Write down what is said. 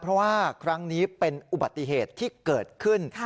เพราะว่าครั้งนี้เป็นอุบัติเหตุที่เกิดขึ้น